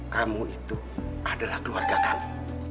kamu itu adalah keluarga kami